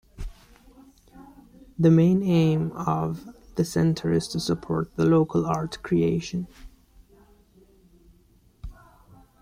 The main aim of the centre is to support the local art creation.